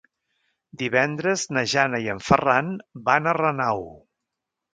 Divendres na Jana i en Ferran van a Renau.